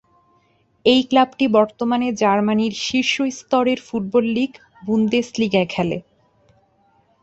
এই ক্লাবটি বর্তমানে জার্মানির শীর্ষ স্তরের ফুটবল লীগ বুন্দেসলিগায় খেলে।